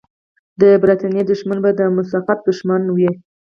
د برتانیې دښمنان به د مسقط دښمنان وي.